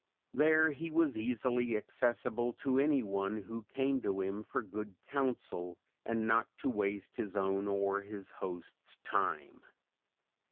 There he was easily accessible to anyone who came to him for good counsel and not to waste his own or his host's time.